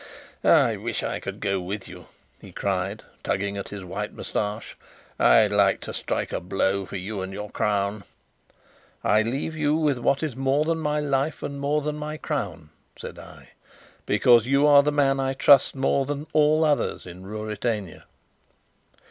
"I wish I could go with you," he cried, tugging at his white moustache. "I'd like to strike a blow for you and your crown." "I leave you what is more than my life and more than my crown," said I, "because you are the man I trust more than all other in Ruritania."